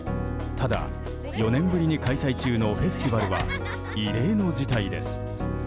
ただ、４年ぶりに開催中のフェスティバルは異例の事態です。